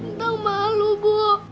lintang malu bu